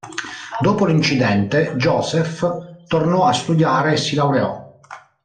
Dopo l'incidente Joseph tornò a studiare e si laureò.